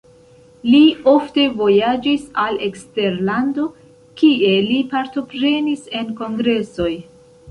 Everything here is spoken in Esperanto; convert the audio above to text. Li ofte vojaĝis al eksterlando, kie li partoprenis en kongresoj.